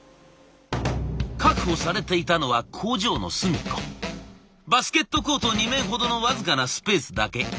確保されていたのは工場の隅っこバスケットコート２面ほどの僅かなスペースだけ。